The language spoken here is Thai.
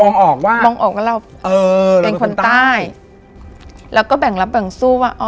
ออกบ้างมองออกว่าเราเออเป็นคนใต้แล้วก็แบ่งรับแบ่งสู้ว่าอ๋อ